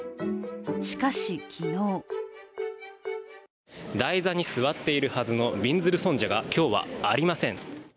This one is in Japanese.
しかし昨日台座に座っているはずのびんずる尊者が今日はありません。